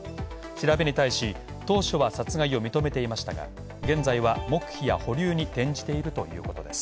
調べに対し、当初は殺害を認めていましたが、現在は黙秘や保留に転じているということです。